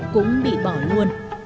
cũng bị bỏ luôn